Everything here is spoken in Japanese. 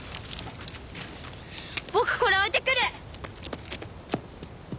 僕これ置いてくる！